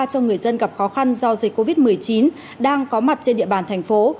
cho người dân gặp khó khăn do dịch covid một mươi chín đang có mặt trên địa bàn thành phố